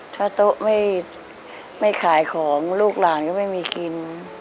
ถ้าโต๊ะไม่ขายของลูกหลานก็ไม่มีกิน